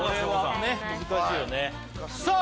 難しいよねさあ